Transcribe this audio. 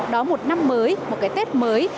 đó là một năm mới một cái tết mới